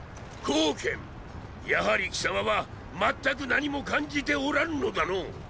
やはり貴様は全く何も感じておらぬのだのォ。